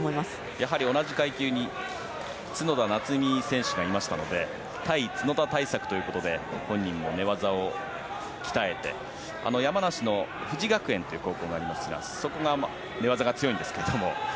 やはり同じ階級に角田夏実選手がいましたので対角田対策ということで本人も寝技を鍛えて山梨の富士学苑という高校がありますがそこが寝技が強いんですけども。